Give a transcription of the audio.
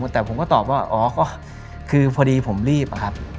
แต่ผมก็ตอบว่าพอดีผมรีบ